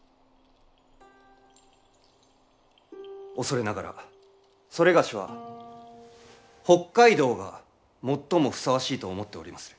おそれながらそれがしは「北加伊道」が最もふさわしいと思っておりまする。